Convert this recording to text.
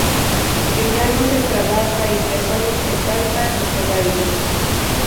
Que ya no se trabaja y que sólo se canta y se baila.